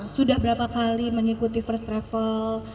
sudah berapa kali mengikuti first travel